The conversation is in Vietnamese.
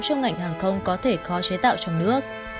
trong ngành hàng không có thể khó chế tạo trong nước